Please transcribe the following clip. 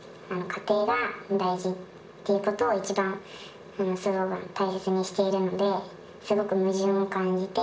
家庭が大事ということを一番スローガン、大切にしているんで、すごく矛盾を感じて。